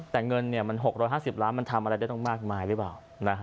แต่เงินมัน๖๕๐ล้านมันทำอะไรได้ต้องมากมายหรือเปล่า